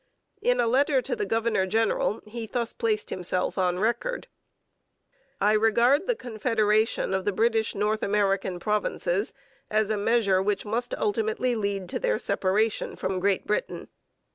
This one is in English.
In a letter to the governor general he thus placed himself on record: I regard the confederation of the British North American Provinces as a measure which must ultimately lead to their separation from Great Britain.